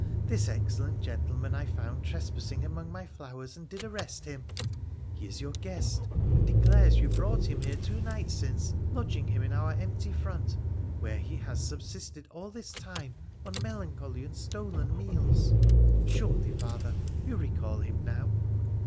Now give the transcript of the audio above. This excellent gentleman I found trespassing among my flowers, and did arrest him ; he is your guest, and declares you brought him here two nights since, lodging him in our empty front, where he has subsisted ail this time on melancholy and stolen meals. Surely, father, you recall him now